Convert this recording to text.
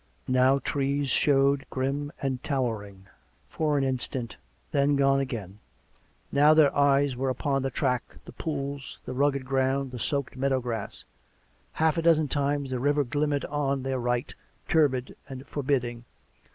Now trees showed grim and towering for an insrtant, then' gone again; now their eyes were upon the track, the pools, the rugged ground, the soaked meadow grass; half a dozen times the river glimmered on their right, turbid and forbidding.